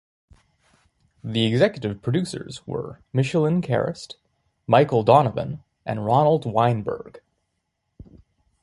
The executive producers were Micheline Charest, Michael Donovan, and Ronald Weinberg.